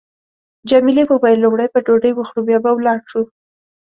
جميلې وويل: لومړی به ډوډۍ وخورو بیا به ولاړ شو.